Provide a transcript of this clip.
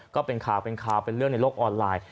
ก็เป็นข่าวเป็นข่าวเป็นเรื่องในโลกออนไลน์